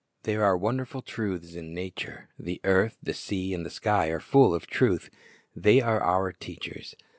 There are wonderful truths in nature. The earth, the sea, and the sky are full of truth. They are our teachers.